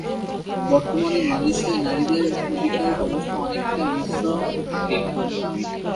বর্তমানে মালয়েশিয়ায় নারীদের অধিকারের অবস্থা অনেকটা মিশ্র প্রকৃতির।